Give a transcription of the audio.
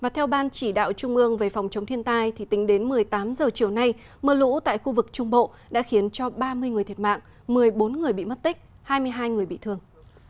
theo ban chỉ đạo trung ương về phòng chống thiên tai tính đến một mươi tám h chiều nay mưa lũ tại khu vực trung bộ đã khiến cho ba mươi người thiệt mạng một mươi bốn người bị mất tích hai mươi hai người bị thương